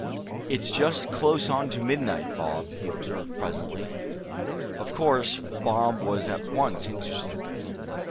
"It's just close on to midnight, Bob," he observed, presently. Of course Bob was at once interested.